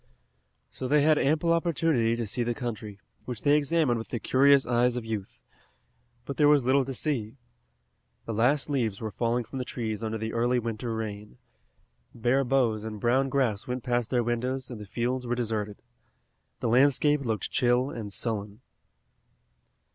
So they had ample opportunity to see the country, which they examined with the curious eyes of youth. But there was little to see. The last leaves were falling from the trees under the early winter rain. Bare boughs and brown grass went past their windows and the fields were deserted. The landscape looked chill and sullen.